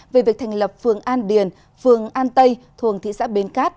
về việc thành lập phường an điền phường an tây thuồng thị xã bến cát